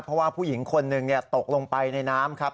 เพราะว่าผู้หญิงคนหนึ่งตกลงไปในน้ำครับ